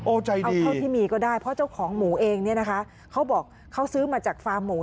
เอาเท่าที่มีก็ได้เพราะเจ้าของหมูเองเนี่ยนะคะเขาบอกเขาซื้อมาจากฟาร์มหมู